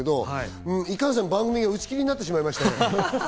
いかんせん番組が打ち切りになってしまいまして。